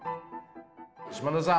嶋田さん